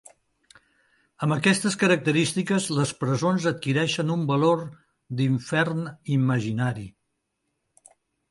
Amb aquestes característiques, les presons adquireixen un valor d'infern imaginari.